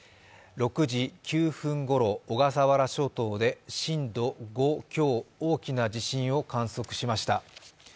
６時９分ごろ小笠原諸島で震度５強、大きな地震を観測しました。